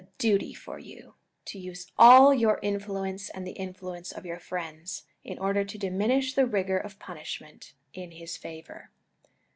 89 duty for you, to use all your influence and the influence of your friends, in order to diminish the rigour of punishment in his favour."